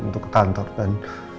untuk ke tantor dan